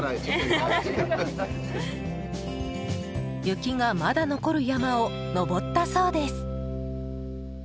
雪がまだ残る山を登ったそうです。